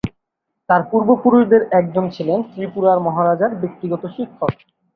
তাঁর পূর্বপুরুষদের একজন ছিলেন ত্রিপুরার মহারাজার ব্যক্তিগত শিক্ষক।